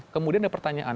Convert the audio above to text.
kemudian ada pertanyaan